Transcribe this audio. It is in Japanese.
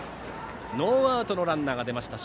ノーアウトのランナーが出ました。